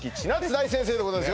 大先生でございます